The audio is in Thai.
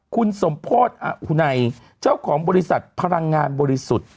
คุณสมโพธิ์อุไนเจ้าของบริษัทพลังงานบริสุทธิ์